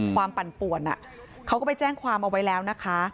ปั่นป่วนเขาก็ไปแจ้งความเอาไว้แล้วนะคะ